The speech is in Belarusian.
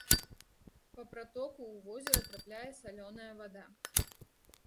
Па пратоку ў возера трапляе салёная вада.